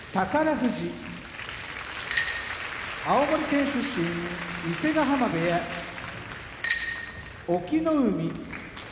富士青森県出身伊勢ヶ濱部屋隠岐の海